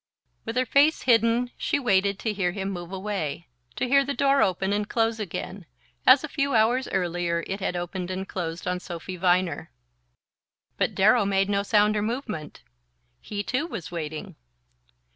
With her face hidden she waited to hear him move away, to hear the door open and close again, as, a few hours earlier, it had opened and closed on Sophy Viner. But Darrow made no sound or movement: he too was waiting.